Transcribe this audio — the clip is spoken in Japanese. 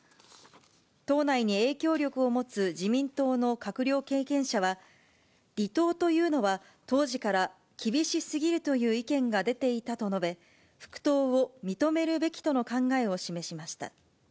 党内に影響力を持つ自民党の閣僚経験者は、離党というのは当時から厳しすぎるという意見が出ていたと述べ、復党を認めるべきとの考えを示しました。